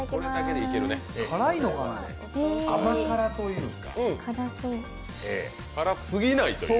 甘辛というか。